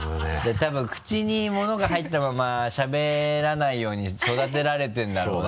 多分口にものが入ったまましゃべらないように育てられてるんだろうね。